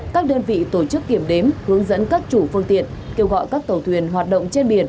các đơn vị tổ chức kiểm đếm hướng dẫn các chủ phương tiện kêu gọi các tàu thuyền hoạt động trên biển